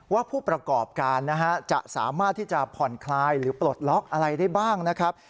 ผู้ประกอบการนะฮะจะสามารถที่จะผ่อนคลายหรือปลดล็อกอะไรได้บ้างนะครับ